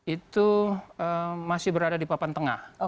itu masih berada di papan tengah